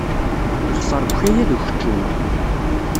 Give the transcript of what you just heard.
Yexser deg ukayad ukeččum.